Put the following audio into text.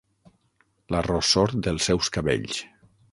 La rossor dels seus cabells.